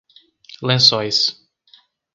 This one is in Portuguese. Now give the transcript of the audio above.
Lençóis